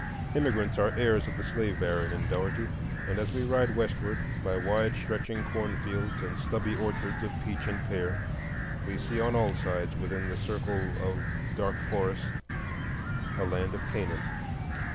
The Jew is the heir of the slave baron in Dougherty; and as we ride westward, by wide stretching cornfields and stubby orchards of peach and pear, we see on all sides within the circle of dark forest a Land of Canaan.